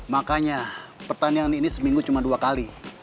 makanya pertandingan ini seminggu cuma dua kali